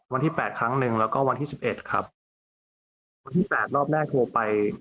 วันที่แปดครั้งหนึ่งแล้วก็วันที่สิบเอ็ดครับวันที่แปดรอบแรกโทรไป